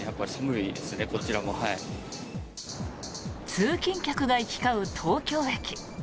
通勤客が行き交う東京駅。